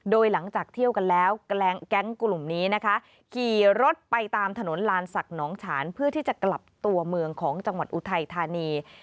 โดยหลังจากเที่ยวกันแล้วแก๊งกลุ่มนี้นะคะขี่รถไปตามถนนลานศักดิ์หนองฉานเพื่อที่จะกลับตัวเมืองของจังหวัดอุทัยธานี